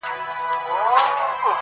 راځی چي وشړو له خپلو کلیو-